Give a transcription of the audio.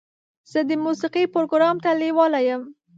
زه د موسیقۍ پروګرام ته لیواله یم.